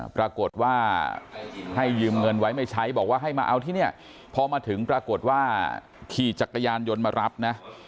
ปรากฏว่าให้ยืมเงินไว้ไม่ใช้บอกว่าให้มาเอาที่เนี่ยพอมาถึงปรากฏว่าขี่จักรยานยนต์มารับนะ